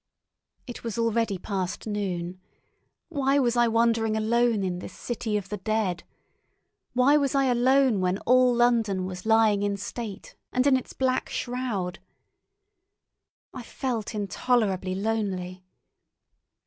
It was already past noon. Why was I wandering alone in this city of the dead? Why was I alone when all London was lying in state, and in its black shroud? I felt intolerably lonely.